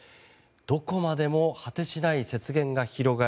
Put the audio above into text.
どこまでも果てしない雪原が広がる